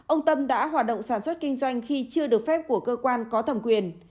ông tâm đã hoạt động sản xuất kinh doanh khi chưa được phép của cơ quan có thẩm quyền